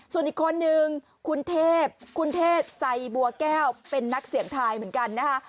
ส่วนอีกคนนึงคุณเทพคุณเทพไซบัวแก้วเป็นนักเสี่ยงทายเหมือนกันนะคะ